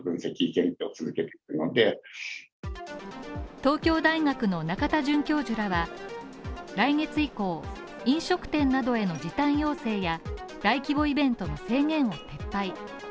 東京大学の仲田准教授らは来月以降、飲食店などへの時短要請や大規模イベントの制限を撤廃。